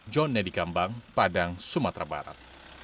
jon nedy kambang padang sumatera barat